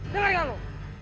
dengar gak lo